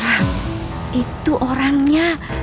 hah itu orangnya